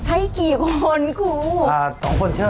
ใช้กี่คนครับสจะ